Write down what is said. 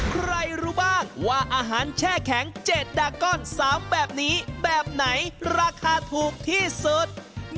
รู้บ้างว่าอาหารแช่แข็ง๗ดาก้อน๓แบบนี้แบบไหนราคาถูกที่สุด